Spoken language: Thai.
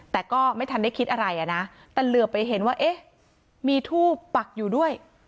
แต่ก็ไม่ทันได้คิดอะไรอ่ะนะแต่เหลือไปเห็นว่าเอ๊ะมีทูบปักอยู่ด้วย